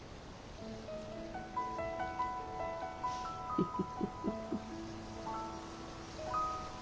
フフフフフ。